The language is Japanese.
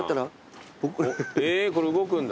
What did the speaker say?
えこれ動くんだ。